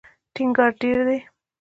ټینګار ډېر دی.